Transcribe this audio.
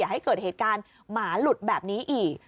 ให้เกิดเหตุการณ์หมาหลุดแบบนี้อีก